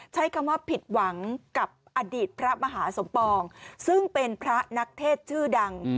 ใช้คำว่าผิดหวังกับอดีตพระมหาสมปองซึ่งเป็นพระนักเทศชื่อดัง